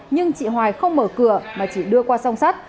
nhưng chị hoài không mở cửa mà chỉ đưa qua song sắt